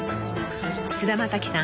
［菅田将暉さん